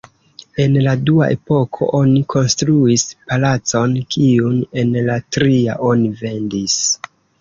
En la dua epoko oni konstruis palacon, kiun en la tria oni vendis.